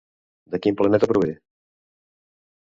De quin planeta prové?